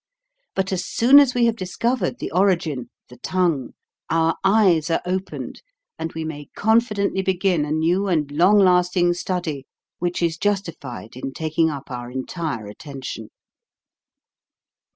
But as soon as we have discovered the origin (the tongue), our eyes are opened and we may confidently begin a new and long lasting study which is justified in taking up our entire attention.